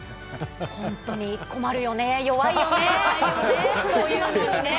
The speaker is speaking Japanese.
本当に困るよね、弱いよね、そういうのにね。